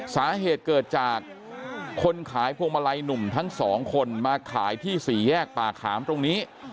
สาเหตุเกิดจากคนขายพวงมาลัยหนุ่มทั้งสองคนมาขายที่สี่แยกป่าขามตรงนี้